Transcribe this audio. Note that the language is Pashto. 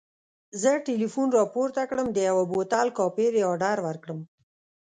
زه ټلیفون راپورته کړم د یوه بوتل کاپري اډر ورکړم.